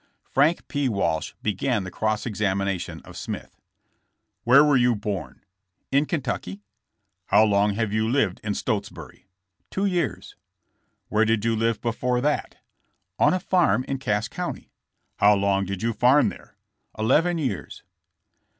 Frank P. Walsh began the cross examination of Smith. Where were you bom ?''In Kentucky." How long have you lived in Stotesbury?" Two years." Where did you live before that?" 0n a farm in Cass county." How long did you farm there?" Eleven years."